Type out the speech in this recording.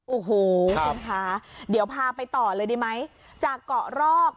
โอ้โหคุณคะเดี๋ยวพาไปต่อเลยดีไหมจากเกาะรอก